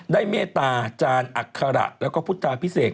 เมตตาจารอัคระแล้วก็พุทธาพิเศษ